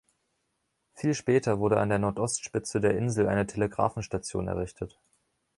Viel später wurde an der Nordostspitze der Insel eine Telegrafenstation errichtet.